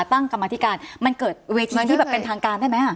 กรรมธิการมันเกิดเวทีที่แบบเป็นทางการได้ไหม